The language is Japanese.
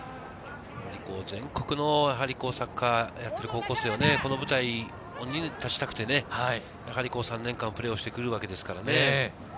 全国のサッカーをやっている高校生はこの舞台に立ちたくてね、３年間プレーをしてくるわけですからね。